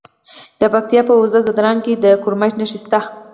د پکتیا په وزه ځدراڼ کې د کرومایټ نښې شته.